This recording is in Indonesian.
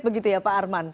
begitu ya pak armand